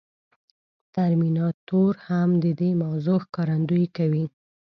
ترمیناتور هم د دې موضوع ښکارندويي کوي.